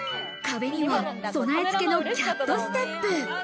壁には備え付けのキャットステップ。